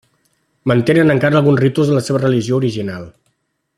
Mantenen encara alguns ritus de la seva religió original.